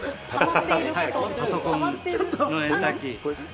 パソコンのエンターキー。